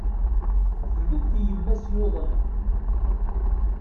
Tbedd i yemma-s yuḍnen.